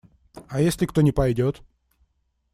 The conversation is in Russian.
А если кто не пойдет?